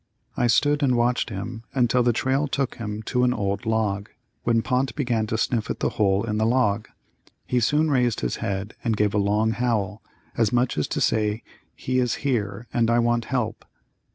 I stood and watched him until the trail took him to an old log, when Pont began to sniff at a hole in the log. He soon raised his head and gave a long howl, as much as to say he is here and I want help.